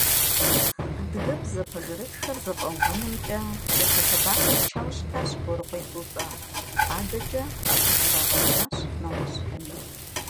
Адыгэбзэ пэжырытхэр зэфӏэувэнымкӏэ япэ лъэбакъуэхэр ичауэ щытащ Борыкъуей Тӏутӏэ, адэкӏэ абы зрагъэужьащ нэгъуэщӀхэми.